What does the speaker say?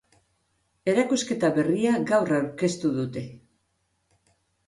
Erakusketa berria gaur aurkeztu dute.